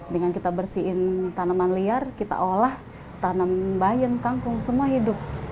dengan kita bersihin tanaman liar kita olah tanam bayan kangkung semua hidup